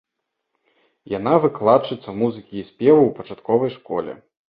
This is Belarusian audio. Яна выкладчыца музыкі і спеваў у пачатковай школе.